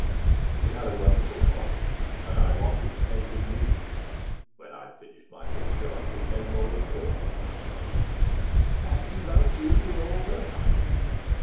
"She had a wonderful body, and I wanted to paint a nude. When I'd finished my picture I took no more interest in her." "And she loved you with all her heart."